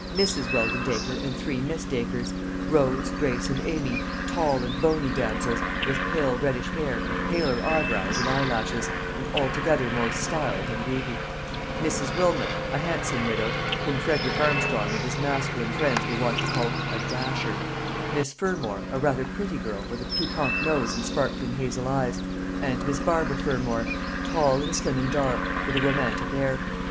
Mrs. Weldon Dacre and three Miss Dacres, Rose, Grace, and Amy, tall and bony damsels, with pale reddish hair, and paler eyebrows and eyelashes, and altogether more "style" than beauty; Mrs. Wilmot, a handsome widow, whom Frederick Armstrong and his masculine friends were wont to call "a dasher;" Miss Fermor, a rather pretty girl, with a piquant nose and sparkling hazel eyes; and Miss Barbara Fermor, tall and slim and dark, with a romantic air.